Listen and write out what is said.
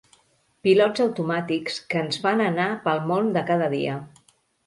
Pilots automàtics que ens fan anar pel món de cada dia.